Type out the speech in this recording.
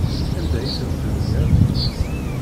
Anda ay tent-tebniḍ?